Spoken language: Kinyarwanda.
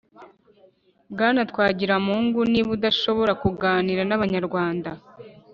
Bwana Twagiramungu, niba udashobora kuganira n'abanyarwanda